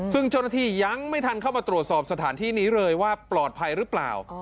ซึ่งเจ้าหน้าที่ยังไม่ทันเข้ามาตรวจสอบสถานที่นี้เลยว่าปลอดภัยหรือเปล่า